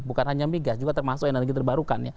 bukan hanya migas juga termasuk energi terbarukan ya